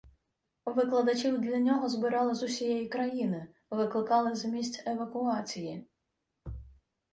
Викладачів для нього збирали з усієї країни, викликали з місць евакуації.